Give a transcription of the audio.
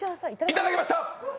いただきました。